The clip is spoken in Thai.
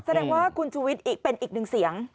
แสดงว่าคุณชูวิทย์เป็นอีกหนึ่งเสียง